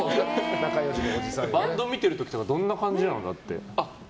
バンド見てる時とかどんな感じなの？